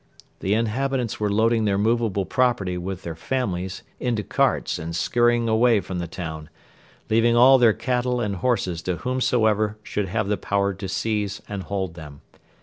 The inhabitants were loading their movable property with their families into carts and scurrying away from the town, leaving all their cattle and horses to whomsoever should have the power to seize and hold them.